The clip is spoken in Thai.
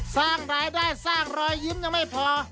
สร้างรายได้สร้างรอยยิ้มยังไม่พอ